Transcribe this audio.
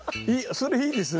それいいですね。